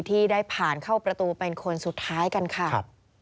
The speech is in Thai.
ที่ได้ผ่านเข้าประตูเป็นคนสุดท้ายกันค่ะ